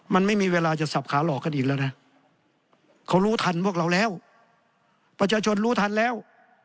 มันไม่มีเวลาจะสับขาหลอกกันอีกแล้วนะเขารู้ทันพวกเราแล้วประชาชนรู้ทันแล้ว